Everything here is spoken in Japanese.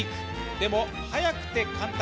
でも、早くて簡単。